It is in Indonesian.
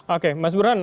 oke mas burhan